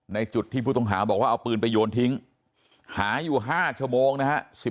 จุดที่ผู้ต้องหาบอกว่าเอาปืนไปโยนทิ้งหาอยู่๕ชั่วโมงนะฮะ